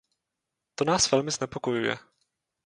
To nás velmi znepokojuje.